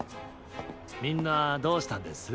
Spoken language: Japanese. みんなどうしたんです？